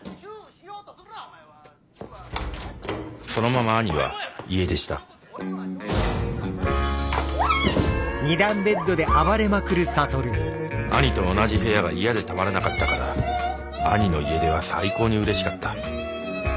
そのまま兄は家出した兄と同じ部屋が嫌でたまらなかったから兄の家出は最高にうれしかった。